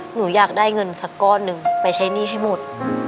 หนูอยากได้เงินสักก้อนหนึ่งไปใช้หนี้ให้หมด